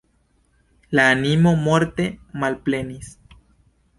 La animo morte malplenis.